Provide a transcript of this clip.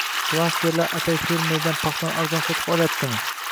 Klasterlar atay fermerdan paxtani arzon sotib olyaptimi?